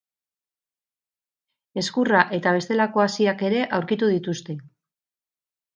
Ezkurra eta bestelako haziak ere aurkitu dituzte.